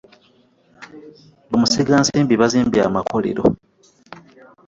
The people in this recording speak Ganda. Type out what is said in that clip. Bamusiga nsimbi bazimbye amakolero.